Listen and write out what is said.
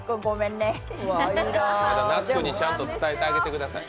那須君にちゃんと伝えてあげてください。